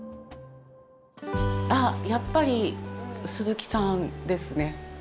やっぱり鈴木さんですね。